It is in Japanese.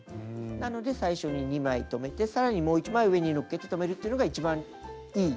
なので最初に２枚留めてさらにもう１枚上にのっけて留めるっていうのが一番いいやり方